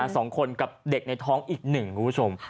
สองคนกับเด็กในท้องอีกหนึ่งคุณผู้ชม